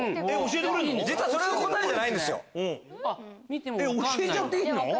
教えちゃっていいの？